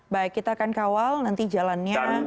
baik kita akan kawal nanti jalannya